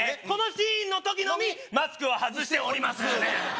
このシーンの時のみマスクは外しております